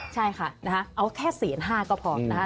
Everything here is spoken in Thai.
ใช่ค่ะเอาแค่๔๕๐๐ก็พอนะคะ